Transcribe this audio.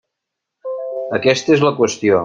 Aquesta és la qüestió.